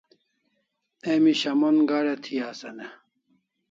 Emi shamon gad'a thi asan e?